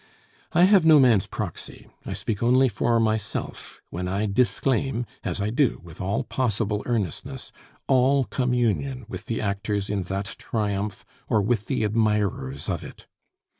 I have no man's proxy. I speak only for myself when I disclaim, as I do with all possible earnestness, all communion with the actors in that triumph, or with the admirers of it.